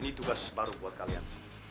ini tugas baru buat kalian